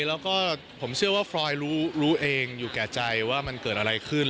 แล้วก็ผมเชื่อว่าฟรอยรู้เองอยู่แก่ใจว่ามันเกิดอะไรขึ้น